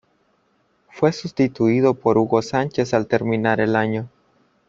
Fue sustituido por Hugo Sánchez al terminar el año.